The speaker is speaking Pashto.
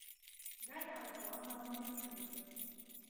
ګټه او تاوان رامعلوم کړي.